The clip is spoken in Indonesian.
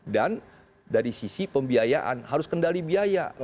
dan dari sisi pembiayaan harus kendali biaya